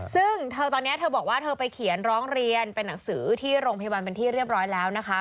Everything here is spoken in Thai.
ซึ่งเธอตอนนี้เธอบอกว่าเธอไปเขียนร้องเรียนเป็นหนังสือที่โรงพยาบาลเป็นที่เรียบร้อยแล้วนะคะ